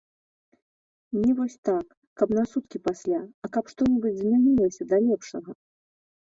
Не вось так, каб на суткі пасля, а каб што-небудзь змянілася да лепшага?